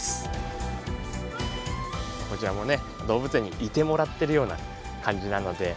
こちらも動物園にいてもらってるような感じなので。